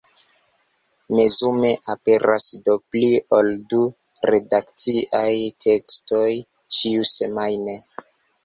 Mezume aperas do pli ol du redakciaj tekstoj ĉiusemajne.